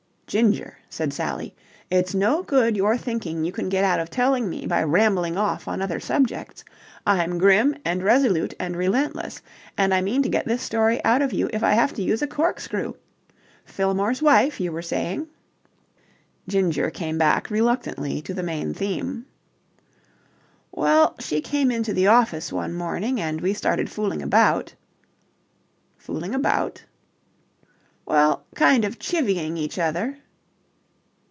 "Ginger," said Sally, "it's no good your thinking you can get out of telling me by rambling off on other subjects. I'm grim and resolute and relentless, and I mean to get this story out of you if I have to use a corkscrew. Fillmore's wife, you were saying..." Ginger came back reluctantly to the main theme. "Well, she came into the office one morning, and we started fooling about..." "Fooling about?" "Well, kind of chivvying each other."